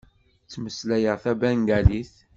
Ttmeslayeɣ tabengalit.